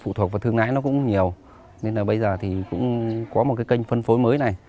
phụ thuộc vào thương lái nó cũng nhiều nên là bây giờ thì cũng có một cái kênh phân phối mới này